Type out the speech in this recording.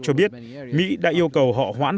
cho biết mỹ đã yêu cầu họ hoãn